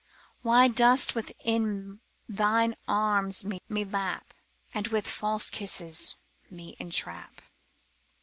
Why dost within thine arms me lap, And with false kisses me entrap.